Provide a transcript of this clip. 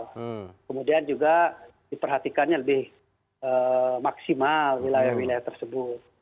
kemudian juga diperhatikannya lebih maksimal wilayah wilayah tersebut